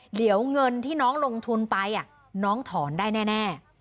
เหลียวเงินที่น้องลงทุนไปอ่ะน้องถอนได้แน่แน่